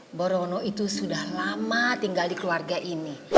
ibu rono itu sudah lama tinggal di keluarga ini